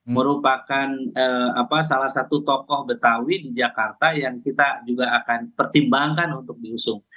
merupakan salah satu tokoh betawi di jakarta yang kita juga akan pertimbangkan untuk diusung